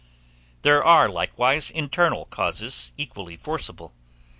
There are likewise internal causes equally forcible.